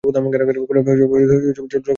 কোণে জলের কলসী মাটির ভাঁড় দিয়ে ঢাকা।